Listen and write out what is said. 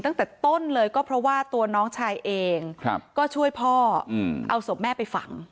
ตั้งแต่ต้นเลยก็เพราะว่าตัวน้องชายเองก็ช่วยพ่อเอาศพแม่ไปฝัง